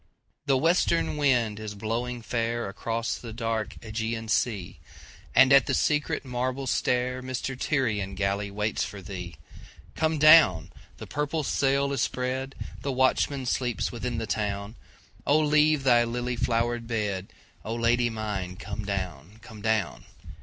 THE WESTERN wind is blowing fairAcross the dark Ægean sea, And at the secret marble stairMy Tyrian galley waits for thee. Come down! the purple sail is spread, The watchman sleeps within the town,O leave thy lily flowered bed,O Lady mine come down, come down!